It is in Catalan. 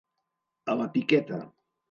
A la piqueta.